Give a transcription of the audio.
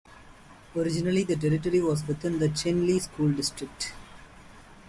Originally the territory was within the Chinle School District.